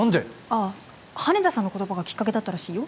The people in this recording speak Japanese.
ああ羽田さんの言葉がきっかけだったらしいよ